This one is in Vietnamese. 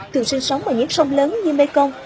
thường sinh sống ở những sông lớn như mekong